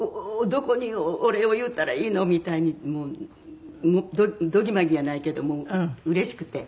どこにお礼を言うたらいいの？みたいにもうどぎまぎやないけどもううれしくて。